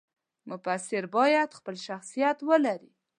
مفسر باید خپل شخصیت ولري.